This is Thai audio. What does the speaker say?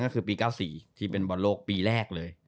ก็คือปี๙๔ที่เป็นบอลโลกปีแรกเลย